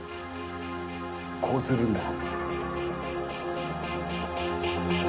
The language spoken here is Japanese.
こうするんだ。